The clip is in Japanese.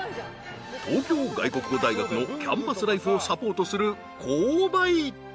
［東京外国語大学のキャンパスライフをサポートする購買］